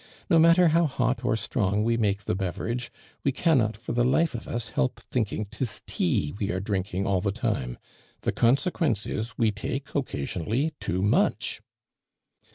No matter how hot or strong we make the beverage, we cannot for the life of us help thinking 'tis tea we are drinking all the time. The consequence is, we take occa sionally too much."